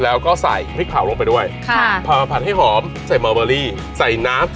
แล้วก็ใส่พริกเผาลงไปด้วยค่ะผัดให้หอมใส่เมาเบอรี่ใส่น้ำ